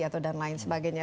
atau dan lain sebagainya